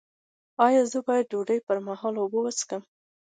ایا زه باید د ډوډۍ پر مهال اوبه وڅښم؟